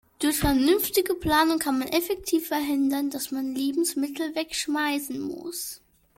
Durch vernünftige Planung kann man effektiv verhindern, dass man Lebensmittel wegschmeißen muss.